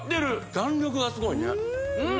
弾力がすごいねうん！